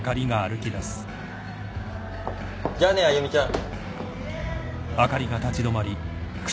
じゃあねあゆみちゃん。